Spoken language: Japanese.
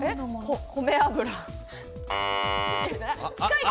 米油。